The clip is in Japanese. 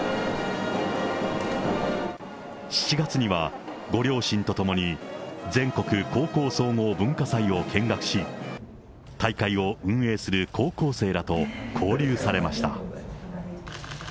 ７月には、ご両親と共に全国高校総合文化祭を見学し、大会を運営する高校生らと交流されました。